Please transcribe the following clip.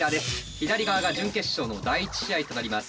左側が準決勝の第１試合となります。